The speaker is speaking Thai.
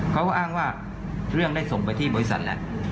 เขาก็อ้างว่าเรื่องได้ส่งไปที่บริษัทแล้ว